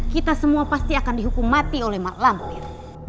kita semua pasti akan dihukum mati oleh mak lamboyan